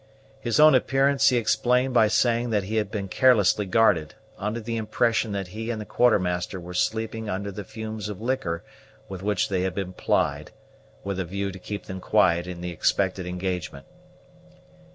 His own appearance he explained by saying that he had been carelessly guarded, under the impression that he and the Quartermaster were sleeping under the fumes of liquor with which they had been plied with a view to keep them quiet in the expected engagement.